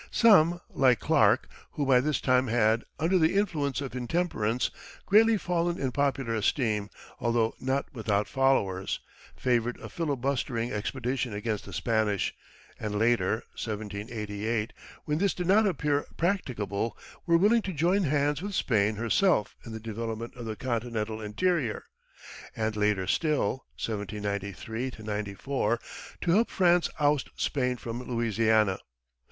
Some, like Clark who, by this time had, under the influence of intemperance, greatly fallen in popular esteem, although not without followers favored a filibustering expedition against the Spanish; and later (1788), when this did not appear practicable, were willing to join hands with Spain herself in the development of the continental interior; and later still (1793 94), to help France oust Spain from Louisiana.